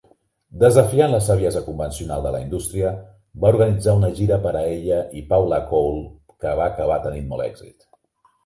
Desafiant la saviesa convencional de la indústria, va organitzar una gira per a ella i Paula Cole que va acabar tenint molt èxit.